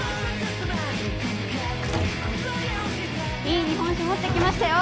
いい日本酒持ってきましたよ。